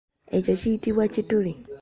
Ekyo kiyitibwa kitulu.